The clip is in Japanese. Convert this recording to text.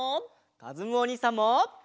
かずむおにいさんも。